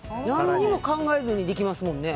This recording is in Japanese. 何も考えずにできますもんね。